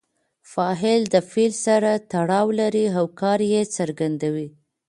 فاعل د فعل سره تړاو لري او کار ئې څرګندوي.